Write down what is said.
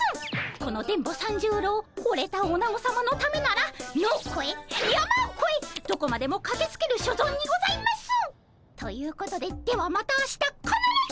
この電ボ三十郎ほれたおなごさまのためなら野をこえ山をこえどこまでもかけつける所存にございます！ということでではまた明日かならず！